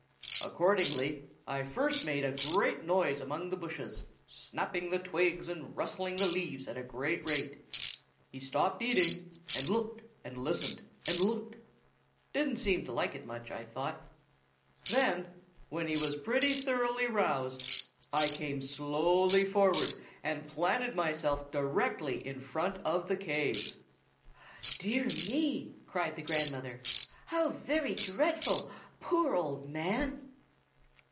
Accordingly, I first made a great noise among the bushes, snapping the twigs and rustling the leaves at a great rate. He stopped eating, and looked and listened, listened and looked; didn't seem to like it much, I thought. Then, when he was pretty thoroughly roused, I came slowly forward, and planted myself directly in front of the cave." "Dear me!" cried the grandmother. "How very dreadful! poor old man!"